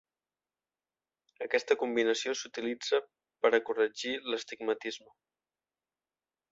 Aquesta combinació s'utilitza per a corregir l'astigmatisme.